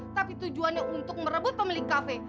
tapi tujuannya untuk merebut pemilik kafe